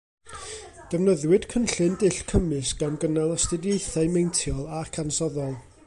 Defnyddiwyd cynllun dull cymysg gan gynnal astudiaethau meintiol ac ansoddol